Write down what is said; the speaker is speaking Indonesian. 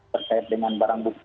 berkait dengan barang buku